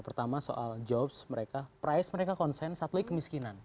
pertama soal jobs mereka price mereka konsen satu lagi kemiskinan